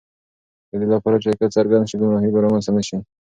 د دې لپاره چې حقیقت څرګند شي، ګمراهی به رامنځته نه شي.